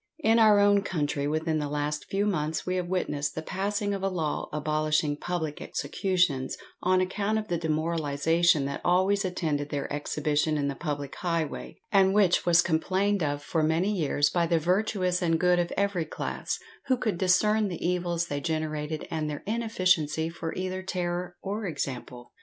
In our own country within the last few months we have witnessed the passing of a law abolishing public executions, on account of the demoralization that always attended their exhibition in the public highway, and which was complained of for many years by the virtuous and good of every class, who could discern the evils they generated and their inefficiency for either terror or example!